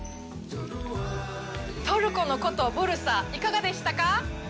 トルコの古都ブルサいかがでしたか？